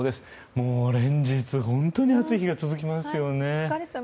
もう連日、本当に暑い日が続きますよね。